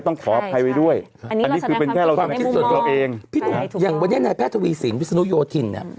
ต้องขออภัยไว้ด้วยอันนี้คือเป็นแค่เราความคิดส่วนตัวเองพี่หนุ่มอย่างวันนี้นายแพทย์ทวีสินวิศนุโยธินเนี่ย